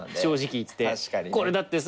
これだってさ